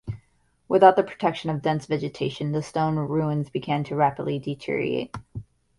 Without the protection of dense vegetation, the stone ruins began to rapidly deteriorate.